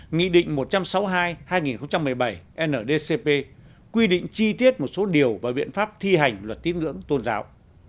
nghị định một trăm sáu mươi hai hai nghìn một mươi bảy ndcp quy định chi tiết một số điều và biện pháp thi hành luật tiếng ngưỡng tôn giáo